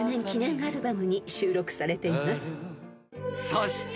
［そして］